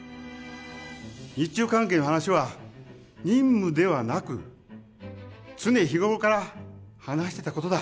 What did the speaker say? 日中関係の話は任務ではなく、常日頃から話してたことだ。